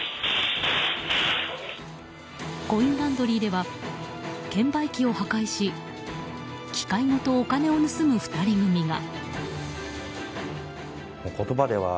コインランドリーでは券売機を破壊し機械ごとお金を盗む２人組が。